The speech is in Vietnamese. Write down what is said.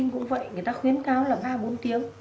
cái thuận lợi